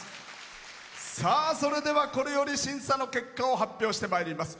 それでは、これより審査の結果を発表してまいります。